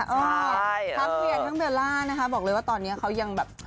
ถ้าเธอเรียนเรื่องเบอร์ล่านะคะบอกเลยว่าตอนนี้เขายังแบบ